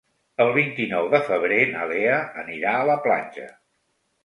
El vint-i-nou de febrer na Lea anirà a la platja.